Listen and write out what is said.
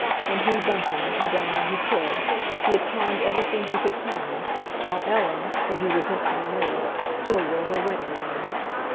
And he, Bunting, had done all he could; he had pawned everything he could pawn, while Ellen, so he resentfully noticed, still wore her wedding ring.